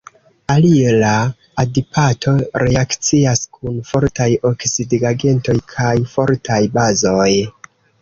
Alila adipato reakcias kun fortaj oksidigagentoj kaj fortaj bazoj.